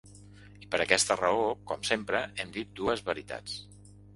I per aquesta raó, com sempre, hem dit dues veritats.